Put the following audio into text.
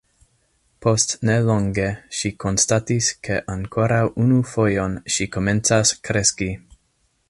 Post ne longe ŝi konstatis ke ankoraŭ unu fojon ŝi komencas kreski.